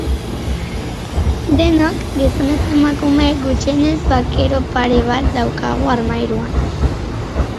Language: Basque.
Denok, gizon eta emakume, gutxienez bakero pare bat daukagu armairuan.